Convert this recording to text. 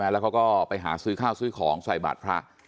แล้วเขาก็ไปหาซื้อข้าวซื้อของใส่บาทพระ